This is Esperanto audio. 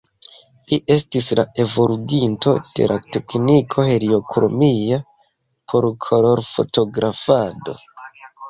Li estis la evoluginto de la tekniko heliokromia por kolorfotografado.